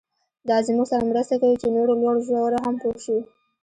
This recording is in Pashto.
دا زموږ سره مرسته کوي چې نورو لوړو ژورو هم پوه شو.